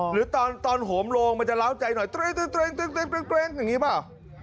หรือตอนโหมโลงมันจะล้าวใจหน่อยเตรงอย่างนี้เปล่า